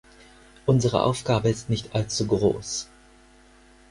Unsere Aufgabe ist nicht allzu groß.